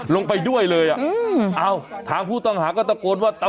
ช่วยเจียมช่วยเจียม